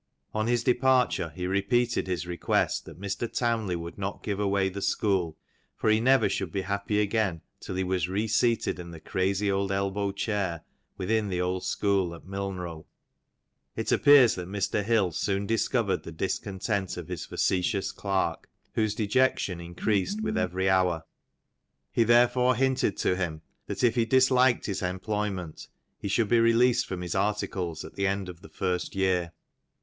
On his departure he repeated his request that Mr. Townley would not give away the school, for he never should be happy again till he was reseated in the crazy old elbow chair within the old school at Milnrow. It appears that Mr. Hill soon discovered the discontent of his facetious clerk, whose dejection increased with every hour; he therefore hinted to him that if he disliked his employment he should be released from his articles at the end of the first year.